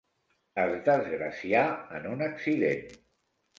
Es desgracià en un accident.